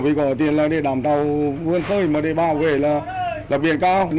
vì có tiền để đảm tàu vươn khơi mà để bảo vệ là biển cao